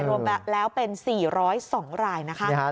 รวมแล้วเป็น๔๐๒รายนะคะ